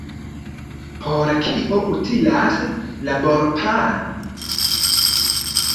Por kio utilas laborplano?